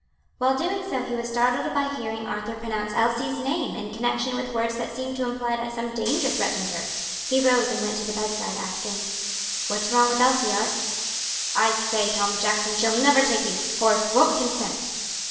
While doing so he was startled by hearing Arthur pronounce Elsie's name in connection with words that seemed to imply that some danger threatened her. He rose and went to the bedside, asking, "What's wrong with Elsie, Art?" "I say, Tom Jackson, she'll never take you. Horace won't consent."